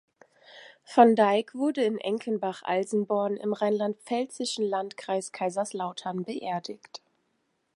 Von Dyck wurde in Enkenbach-Alsenborn im rheinland-pfälzischen Landkreis Kaiserslautern beerdigt.